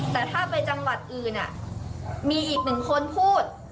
แต่ถ้าไปจังหวัดอื่นมีอีกหนึ่งคนพูด